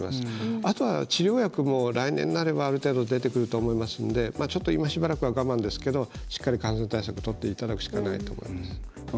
あとは治療薬も来年になれば、ある程度出てくると思いますので今しばらくは我慢ですけどしっかり感染対策をとっていただくしかないと思います。